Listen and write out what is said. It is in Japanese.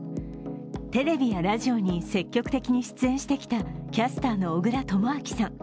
テレビやラジオに積極的に出演してきたキャスターの小倉智昭さん。